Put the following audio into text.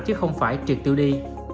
chứ không phải trượt tiêu đi